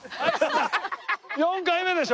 ４回目でしょ。